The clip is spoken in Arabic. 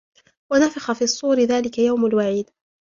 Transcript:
ونفخ في الصور ذلك يوم الوعيد